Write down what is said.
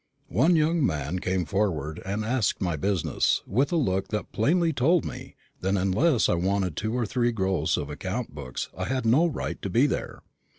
One young man came forward and asked my business, with a look that plainly told me that unless I wanted two or three gross of account books I had no right to be there.